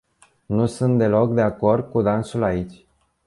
Nu sunt deloc de acord cu dânsul aici.